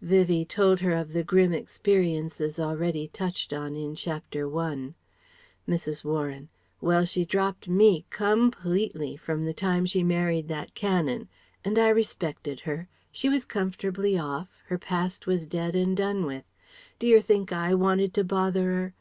Vivie told her of the grim experiences already touched on in Chapter I. Mrs. Warren: "Well she dropped me _com_pletely from the time she married that Canon. And I respected her. She was comfortably off, her past was dead and done with. D'yer think I wanted to bother 'er?